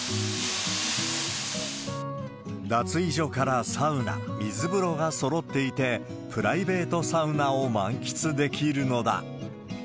脱衣所からサウナ、水風呂がそろっていて、プライベートサウナを満喫できるのだ。